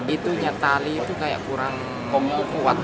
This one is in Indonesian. itu nya tali itu kayak kurang kuat